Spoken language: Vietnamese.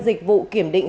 dịch vụ kiểm định